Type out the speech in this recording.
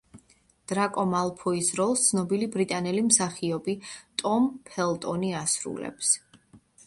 დრაკო მალფოის როლს ცნობილი ბრიტანელი მსახიობი ტომ ფელტონი ასრულებს.